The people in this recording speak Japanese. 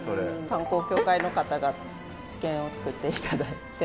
観光協会の方が試験を作って頂いて。